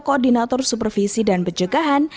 koordinator supervisi dan berjegahan